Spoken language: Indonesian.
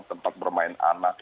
tempat bermain anak